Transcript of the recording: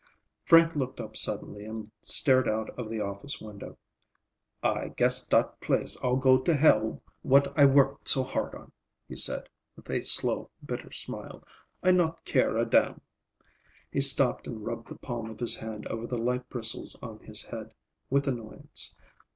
Frank looked up suddenly and stared out of the office window. "I guess dat place all go to hell what I work so hard on," he said with a slow, bitter smile. "I not care a damn." He stopped and rubbed the palm of his hand over the light bristles on his head with annoyance.